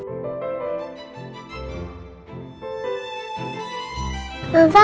masalahnya dia lebih lucu